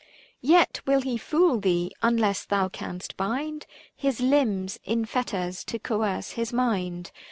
Yet will he fool thee, unless thou canst bind His limbs in fetters to coerce his mind.